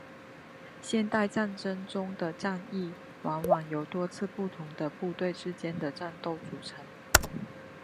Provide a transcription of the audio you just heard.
现代战争中的战役往往由多次不同的部队之间的战斗组成。